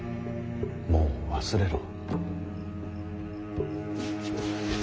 もう忘れろ。